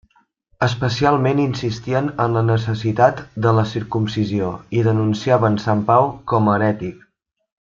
Especialment insistien en la necessitat de la circumcisió i denunciaven Sant Pau com a herètic.